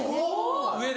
・上で？